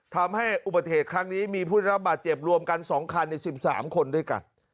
ทำให้อุบัติเหตุครั้งนี้มีผู้ได้รับบาดเจ็บรวมกัน๒คันใน๑๓คนด้วยกัน